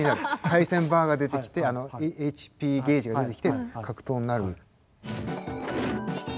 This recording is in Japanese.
対戦バーが出てきてあのＨＰゲージが出てきて格闘になる。